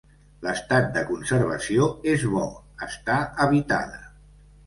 L'estat de conservació és bo, està habitada.